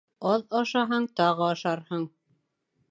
Аҙ ашаһаң, тағы ашарһың